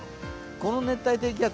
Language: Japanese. この熱帯低気圧